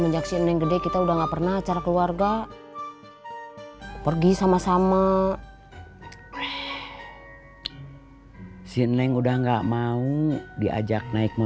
jangan lupa like share dan subscribe ya